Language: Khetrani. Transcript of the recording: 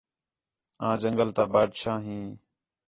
آں جنگل تا بادشاہ ہیں